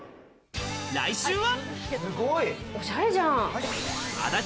来週は。